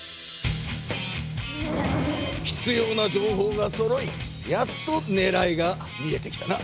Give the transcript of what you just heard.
ひつような情報がそろいやっとねらいが見えてきたな。